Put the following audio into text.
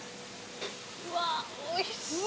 うわおいしそう。